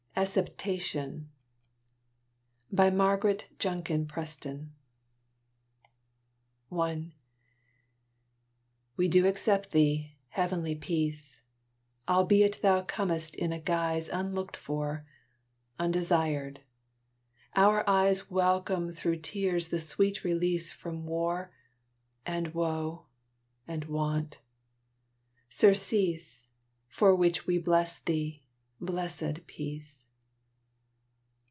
DANIEL B. LUCAS. ACCEPTATION I We do accept thee, heavenly Peace! Albeit thou comest in a guise Unlooked for undesired, our eyes Welcome through tears the sweet release From war, and woe, and want, surcease, For which we bless thee, blessèd Peace!